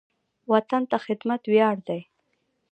وطن ته خدمت ویاړ دی